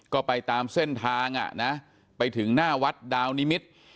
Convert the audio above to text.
ก็ไปตามเส้นทางอ่ะนะไปถึงหน้าวัดดาวนิมิตร